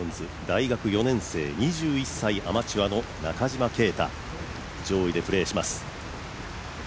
大学４年生、２１歳アマチュアの中島啓太、上位でプレーします。